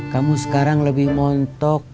kamu sekarang lebih montok